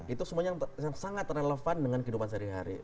itu semuanya yang sangat relevan dengan kehidupan sehari hari